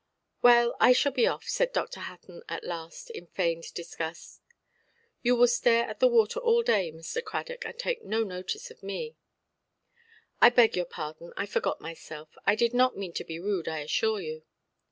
"Well, I shall be off", said Dr. Hutton at last, in feigned disgust; "you will stare at the water all day, Mr. Cradock, and take no notice of me". "I beg your pardon, I forgot myself; I did not mean to be rude, I assure you".